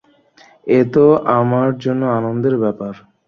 এ তো আমার জন্য আনন্দের ব্যাপার।